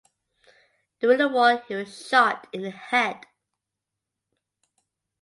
During the war he was shot in the head.